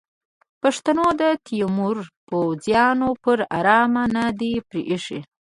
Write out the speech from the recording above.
پښتنو د تیمور پوځیان پر ارامه نه دي پریښي.